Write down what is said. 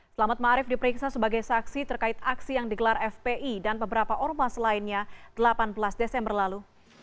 selamat ⁇ maarif diperiksa sebagai saksi terkait aksi yang digelar fpi dan beberapa ormas lainnya delapan belas desember lalu